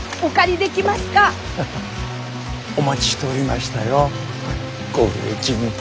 お待ちしておりましたよご婦人。